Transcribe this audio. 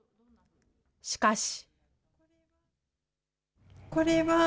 しかし。